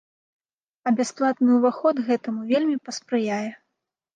А бясплатны ўваход гэтаму вельмі паспрыяе.